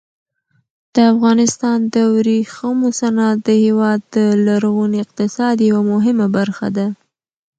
د افغانستان د ورېښمو صنعت د هېواد د لرغوني اقتصاد یوه مهمه برخه وه.